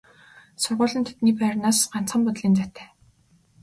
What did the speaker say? Сургууль нь тэдний байрнаас ганцхан буудлын зайтай.